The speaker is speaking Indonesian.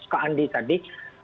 kak andi tadi